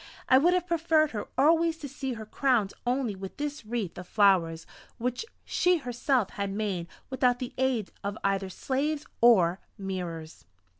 I would have preferred always to see her crowned only with this wreath of flowers which she herself had made without the aid of either slaves or mirrors.